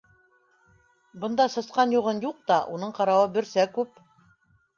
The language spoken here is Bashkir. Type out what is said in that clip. Бында сысҡан юғын юҡ та, уның ҡарауы, бөрсә күп!